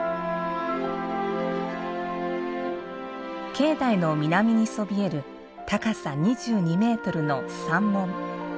境内の南にそびえる高さ２２メートルの三門。